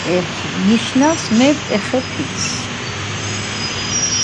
ყველა მათგანი ცხრილის სათავეში მოექცა და რაღა თქმა უნდა მათვე შეხვდათ პრეტენდენტთა სამივე საგზური.